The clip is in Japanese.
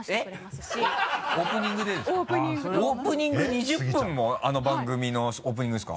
オープニング２０分もあの番組のオープニングですか？